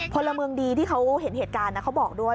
พลเมืองดีที่เขาเห็นเหตุการณ์เขาบอกด้วย